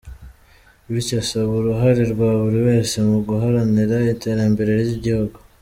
Bityo asaba uruhare rwa buri wese mu guharanira iterambere ry’igihugu.